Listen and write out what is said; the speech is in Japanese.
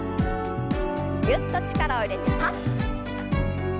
ぎゅっと力を入れてパッ。